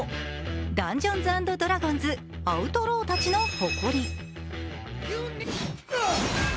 「ダンジョンズ＆ドラゴンズ／アウトローたちの誇り」